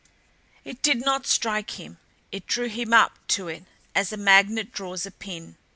It did not strike him it drew him up to it as a magnet draws a pin.